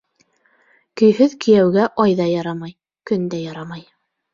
Көйһөҙ кейәүгә ай ҙа ярамай, көн дә ярамай.